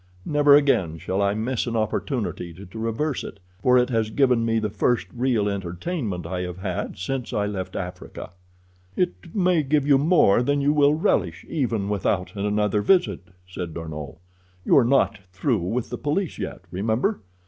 Never again shall I miss an opportunity to traverse it, for it has given me the first real entertainment I have had since I left Africa." "It may give you more than you will relish even without another visit," said D'Arnot. "You are not through with the police yet, remember.